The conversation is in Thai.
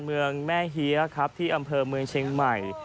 เมืองแม่เฮียครับที่อำเภอเมืองเชียงใหม่